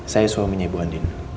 saya suaminya ibu andin